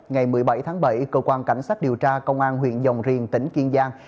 ngày một mươi bảy tháng bảy cơ quan cảnh sát điều tra công an huyện dòng riềng tỉnh kiên giang